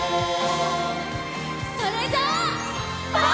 それじゃあ。